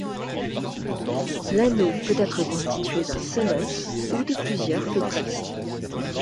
L'anneau peut être constitué d'un seul os ou de plusieurs petits.